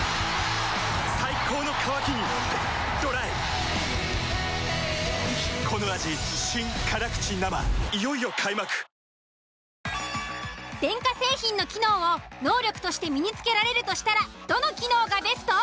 最高の渇きにＤＲＹ電化製品の機能を能力として身に付けられるとしたらどの機能がベスト？